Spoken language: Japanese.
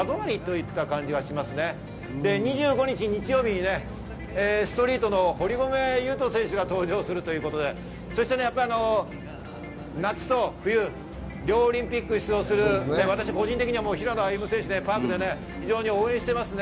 ２５日、日曜日ストリートの堀米雄斗選手が登場するということで、夏と冬、両オリンピックに出場する個人的には平野歩夢選手応援しています。